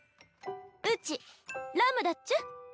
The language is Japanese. うちラムだっちゃ。